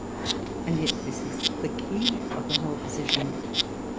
And yet this is the key of the whole position.